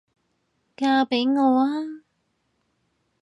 嫁畀我吖？